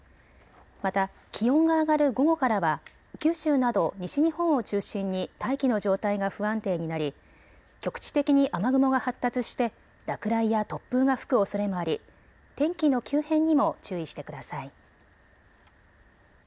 また気温が上がる午後からは九州など西日本を中心に大気の状態が不安定になり局地的に雨雲が発達して落雷や突風が吹くおそれもあり天気の急変にも注意してください。